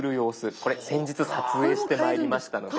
これ先日撮影してまいりましたので。